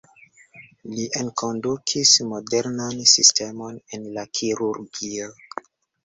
Li enkondukis modernan sistemon en la kirurgio.